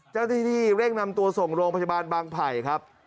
เจ้าหน้าที่เร่งนำตัวส่งโรงพยาบาลบางไผ่ครับ